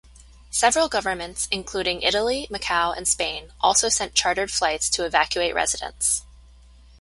Several governments including Italy, Macau and Spain also sent chartered flights to evacuate residents.